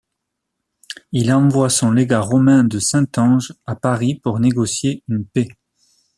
Il envoie son légat Romain de Saint-Ange à Paris pour négocier une paix.